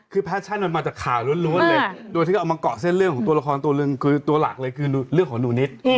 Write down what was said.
คือแพชชั่นมันมาจากข่าวล้วนเลยโดยที่เขาเอามาเกาะเส้นเรื่องของตัวละครตัวหนึ่งคือตัวหลักเลยคือเรื่องของหนูนิด